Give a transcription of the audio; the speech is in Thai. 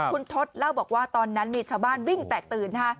คุณทศเล่าบอกว่าตอนนั้นมีชาวบ้านวิ่งแตกตื่นนะคะ